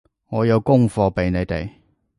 我有功課畀你哋